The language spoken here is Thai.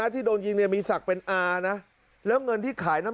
ต้องเป็นญาติกัน